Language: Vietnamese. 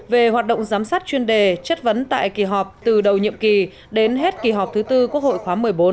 về hoạt động giám sát chuyên đề chất vấn tại kỳ họp từ đầu nhiệm kỳ đến hết kỳ họp thứ tư quốc hội khóa một mươi bốn